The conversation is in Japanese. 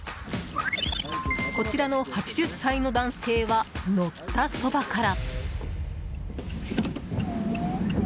こちらの８０歳の男性は乗ったそばから。